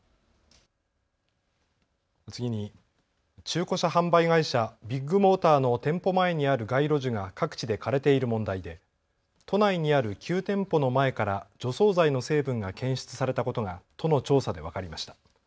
次に中古車販売会社、ビッグモーターの店舗前にある街路樹が各地で枯れている問題で都内にある９店舗の前から除草剤の成分が検出されたことが都の調査で分かりました。